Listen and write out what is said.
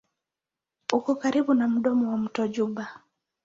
Uko karibu na mdomo wa mto Juba.